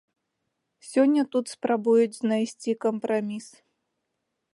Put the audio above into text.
Сёння тут спрабуюць знайсці кампраміс.